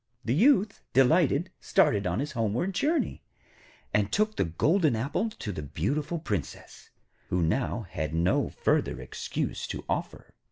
The Youth, delighted, started on his homeward journey, and took the golden apple to the beautiful Princess, who had now no further excuse to offer.